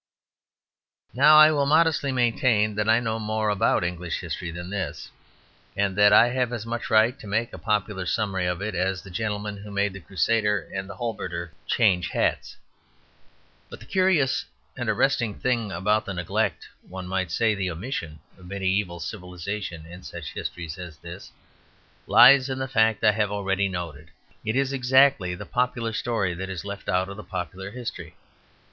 Now I will modestly maintain that I know more about English history than this; and that I have as much right to make a popular summary of it as the gentleman who made the crusader and the halberdier change hats. But the curious and arresting thing about the neglect, one might say the omission, of mediæval civilization in such histories as this, lies in the fact I have already noted. It is exactly the popular story that is left out of the popular history.